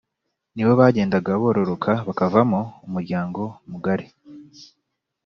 ni bo bagendaga bororoka bakavamo umuryango mugari